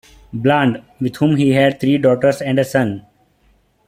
Bland, with whom he had three daughters and a son.